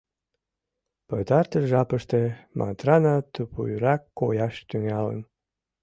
Пытартыш жапыште Матрана тупуйрак кояш тӱҥалын.